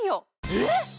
えっ⁉